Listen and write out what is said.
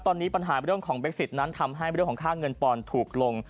ตอนนี้ปัญหาเรื่องของเบ็กซิตนั้นทำให้เรื่องของค่าเงินปอนด์ถูกลง